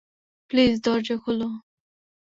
Please, দরজা খোল!